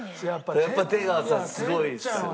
やっぱ出川さんすごいっすよね。